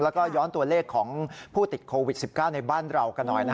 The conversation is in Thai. แล้วก็ย้อนตัวเลขของผู้ติดโควิด๑๙ในบ้านเรากันหน่อย